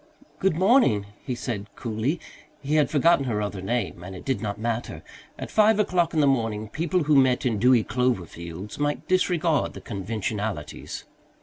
"Good morning," he said coolly. He had forgotten her other name, and it did not matter; at five o'clock in the morning people who met in dewy clover fields might disregard the conventionalities.